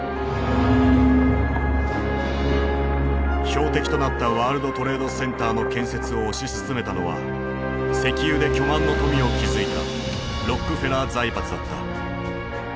標的となったワールドトレードセンターの建設を推し進めたのは石油で巨万の富を築いたロックフェラー財閥だった。